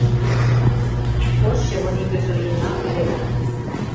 Ош чывын игыже лийына ыле гын